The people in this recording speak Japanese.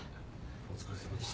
・お疲れさまでした。